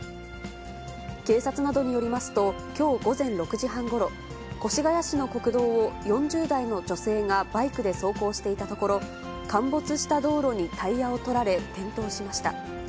警察などによりますと、きょう午前６時半ごろ、越谷市の国道を４０代の女性がバイクで走行していたところ、陥没した道路にタイヤを取られ、転倒しました。